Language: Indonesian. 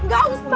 gak us pak